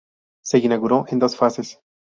Se inauguró en dos fases.